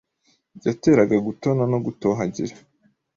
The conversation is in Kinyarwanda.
yateraga gutona no gutohagira